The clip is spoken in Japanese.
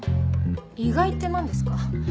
意外って何ですか？